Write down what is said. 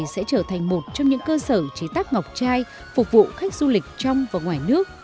sẽ trở thành một trong những cơ sở chế tác ngọc chai phục vụ khách du lịch trong và ngoài nước